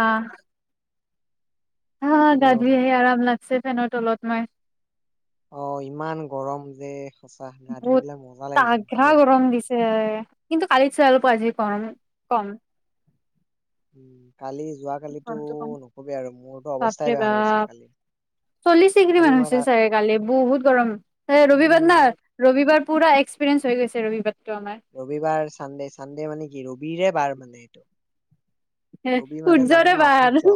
আহ হা গা হেল্ল' ধুই আহি আৰাম লাগছে ফেনৰ তলত হয় অ' ইমান গৰম যে সঁচা গা ধুই পেলাই মজা লাগে কিন্তু দেই। এ কিন্তু কালিত চাগে অলপ আজি কম কম উম কালি যোৱাকালিতো গৰম টো কম নকবি আৰু মোৰতো অৱস্থাই বাপৰে বেয়া হৈ গৈছিল বাপ কালি চল্লিশ ডিগ্ৰী কালি মান মই হৈছিল ৰা- চাগে কালি বহুত গৰম ৰবিবাৰ না উম ৰবিবাৰ পুৰা একসপিৰিয়েঞ্চ হৈ গৈছে ৰবিবাৰ ৰবিবাৰ চানডে চানডে মানে কি ৰবিৰে বাৰ মানে নেটো ৰবি মানে জানো সূৰ্যৰে ন বাৰ সূৰ্য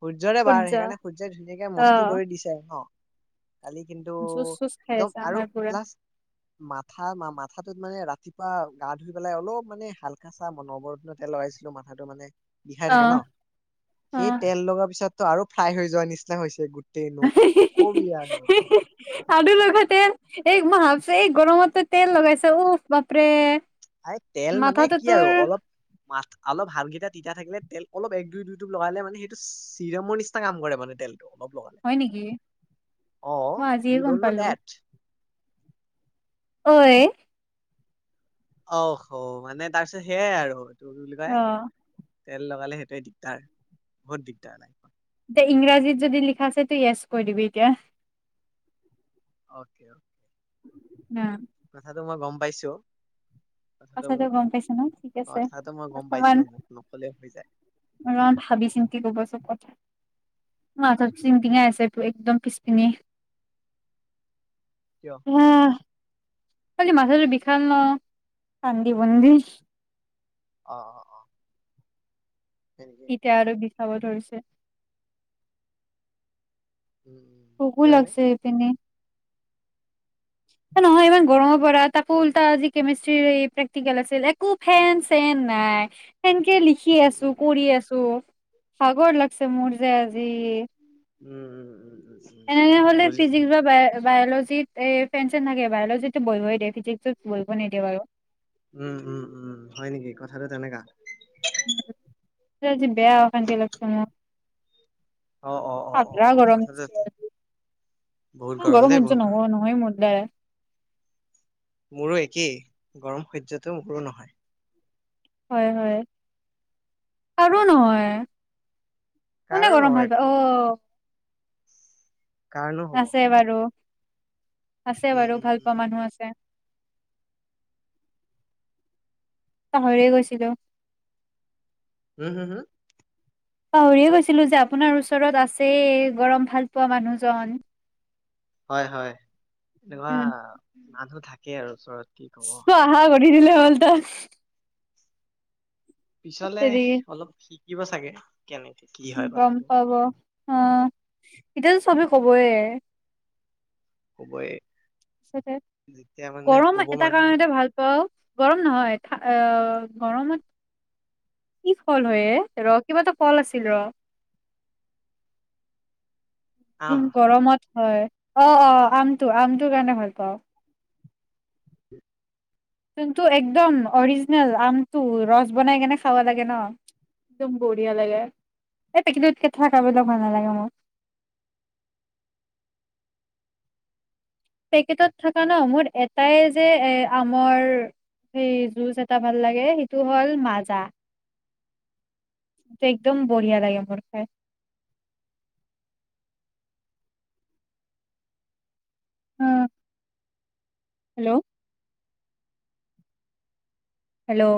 সূৰ্যৰে বাৰ সূৰ্য সেইকাৰণে সূৰ্যই ধুনীয়াকে অ মস্তি কৰি দিছে আৰু ন কালি কিন্তু জুচ চুচ খাই একদম আছে আৰু আমাৰ পুৰা প্লাছ মাথা মাথাটোত মানে ৰা ৰাতিপুৱা গা ধুই পেলাই অলপ মানে হালকা চা মনবৰত্ন তেল লৰাইছিলো মাথাটো মানে বিষাই অ থাকে ন অ সেই তেল লগাৰ পিছত ত আৰু ফ্ৰাই হৈ যোৱা নিচিনা হৈছে গোট তে ন ক বি আ ৰু আৰু লগা তেল এই মই ভাবছো এই গৰমত তেল লগাইছে উফ বাপৰে! আ তেল মানে মাথাটো কি তোৰ আৰু অলপ মা অলপ হাতকেইটা তিতা থাকিলে তেল অলপ এক দুই দুই দুপ লগালে মানে সেইটো চিৰমৰ নিচিনা কাম কৰে মানে তেল অলপ লগালে হয় নেকি অ মই আজিয়ে ইউ গম ডন্ট পালো। ন এডছ অই অ হ মানে তাৰপিছত সেইয়াই আৰু বুলি কয় অ তেল লগালে সে দিগদাৰ বহুত দিগদাৰ লাইফত৷ এতিয়া ইংৰাজীত যদি লিখা আছে তো য়েছ কৈ দিবি এতিয়া। অকে অ উম কথাটো মই গম পাইছো। কথাটো গম পাইছ ন ঠিক আছে কথাটো মই গম পাইছো অকমান মোক নকলে হৈ যায় ভাবি চিন্তি কব চব কথা। মোৰ মাঠাটো টিং টিঙাই আছে একদম পিছপিনে কিয় আহ খালি মাথাটো বিশাল ন কান্দি বুন্দি? অ অ অ সেনেকে ইতিয়া আৰু বিষ খাব ধৰিছে। উম উম ভোকো কিয় এনে লাগছে সেইকেনে সেই নহয় ইমান গৰমৰ পৰা তাকো উল্টা আজি কেমিষ্ট্ৰি প্ৰেক্টিকেল আছিল একো ফেন চেন নাই হেনকে লিখি উম উম আছো কৰি আছো ভাগৰ লাগচি মোৰ যে আজি উম উম উম এনেকে উম হলে বুজিছো ফিজিক্স বা বায়'লজিতত এ ফেনচেন থাকে বায়লজিতটো বহিবয়ে দিয়ে ফিজিকছ উম উম উম হয় নেকি কথাটো তেনেকা আজি বেয়া অশান্তি লাগচে মোৰ। অ অ অ অ আগ্ৰা অ গৰম - কথাটো বহুত গৰম দেই সহ্য বহুত গৰম নহয় - নহয় মুৰ দ্বাৰা মোৰো একেই গৰম সহ্যটো মোৰো নহয়৷ হয় হয় কাৰো নহয় কোনে কাৰো গৰম নহয় ভাল পায়? অ কাৰনো হ'ব আছে বাৰু। আছে উম বাৰু উম ভাল উম পোৱা মানুহ আছে। পাহৰিয়ে গৈছিলো। উম হম্? পাহৰিয়ে কৈছিলোঁ যে আপোনাৰ ওচৰত আছেই গৰম ভাল পোৱা মানুহজন। হয় হয়। এনেকুৱা মানুহ থাকে। তাকে আৰু ওচৰত কি কব কোৱা, হৈ গ'ল। দি দিলে হ'ল তাক পিছলে তেৰি অলপ ঠিক কিবা চাগে। কেনেকে কি হয় গম কথাটো পাব অ, এতিয়াতো চবে কবই। কবৈয়ে। গৰম এটা মানুহে কাৰণতে ভাল পাওঁ, গৰম নহয় এ গৰমত কি ফল উম হইয়ে ৰস কিবা এটা কল আছিল ৰ। উ আম গৰমত হয়। অ অ, আমটো আমটো কাৰণে ভাল পাওঁ। যোনটো একদম অৰিজিনেল, আমটো ৰস বনাই কেনে খাব লাগে ন, একদম বঢ়িয়া লাগে। এই পেকেটত থকাবিলাক খাবলে ভাল নালাগে মোৰ। পেকেটত থকা ন মোৰ এটাই যে এ আমৰ সেই জুচ এটা ভাল লাগে, সেইটো হ'ল মাজা। একদম বঢ়িয়া লাগে মোৰ খায়। উম। Hello hello.